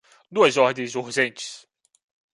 Duas ordens urgentes